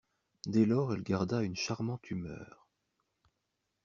Dès lors elle garda une charmante humeur.